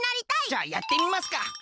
じゃあやってみますか！